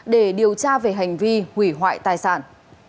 để điều tra về hành vi hủy hoại tài sản